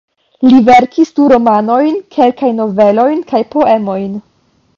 Li verkis du romanojn, kelkajn novelojn kaj poemojn.